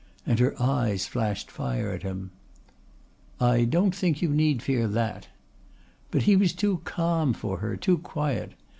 and her eyes flashed fire at him. "I don't think that you need fear that." But he was too calm for her, too quiet.